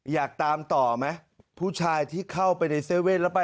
อยากตามต่อไหมผู้ชายที่เข้าไปใน๗๑๑แล้วไป